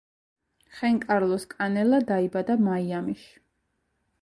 ხენკარლოს კანელა დაიბადა მაიამიში.